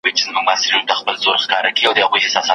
نه زلمي او پېغلي گډ كوي رقصونه